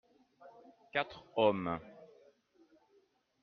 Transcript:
quatre hommes.